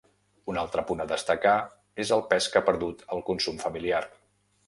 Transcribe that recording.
Un altre punt a destacar és el pes que ha perdut el consum familiar.